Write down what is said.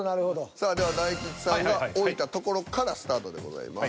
さあでは大吉さんが置いた所からスタ―トでございます。